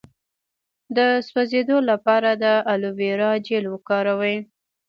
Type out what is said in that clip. د سوځیدو لپاره د الوویرا جیل وکاروئ